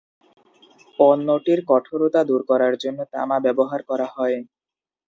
পণ্যটির কঠোরতা দূর করার জন্য তামা ব্যবহার করা হয়।